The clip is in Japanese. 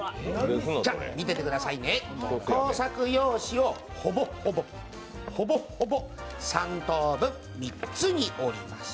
じゃ見ててくださいね、工作用紙をほぼほぼ三等分、３つに折ります。